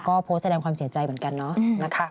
ก็โพสต์แสดงความเสียใจเหมือนกันเนาะนะคะ